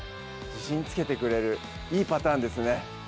自信つけてくれるいいパターンですね